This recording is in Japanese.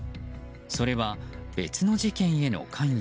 それは、別の事件への関与。